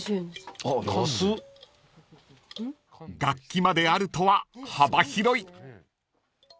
［楽器まであるとは幅広い］